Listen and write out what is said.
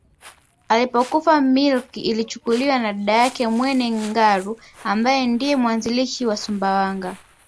Alipokufa milki ilichukuliwa na dada yake Mwene Ngalu ambaye ndiye mwanzilishi wa Sumbawanga